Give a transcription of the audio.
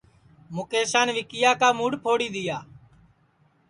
مُکیسان وکیا کا مُوڈؔ پھوڑی دؔیا